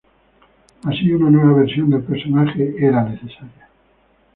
Así, una nueva versión del personaje era necesaria.